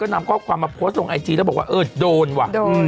นำข้อความมาโพสต์ลงไอจีแล้วบอกว่าเออโดนว่ะ